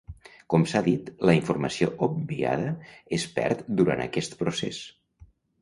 Com s'ha dit, la informació obviada es perd durant aquest procés.